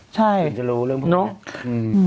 ใช่บางคนจะรู้เรื่องพวกนี้